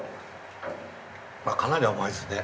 あっかなり甘いですね。